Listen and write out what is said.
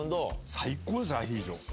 最高ですアヒージョ。